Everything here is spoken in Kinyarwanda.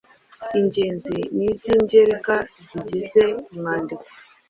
ingenzi n’iz’ingereka zigize umwandiko,